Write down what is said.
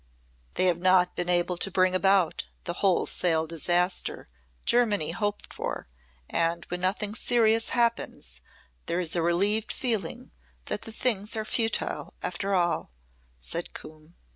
'" "They have not been able to bring about the wholesale disaster Germany hoped for and when nothing serious happens there is a relieved feeling that the things are futile after all," said Coombe.